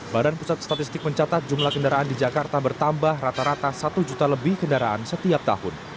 badan pusat statistik mencatat jumlah kendaraan di jakarta bertambah rata rata satu juta lebih kendaraan setiap tahun